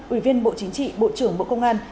ủy viên bộ chính trị bộ trưởng bộ công an